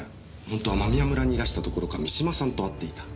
本当は間宮村にいらしたどころか三島さんと会っていた。